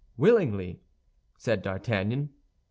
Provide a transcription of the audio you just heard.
"Willingly," said D'Artagnan.